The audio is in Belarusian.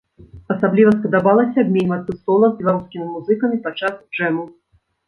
Асабліва спадабалася абменьвацца сола з беларускімі музыкамі падчас джэму.